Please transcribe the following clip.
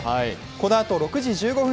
このあと６時１５分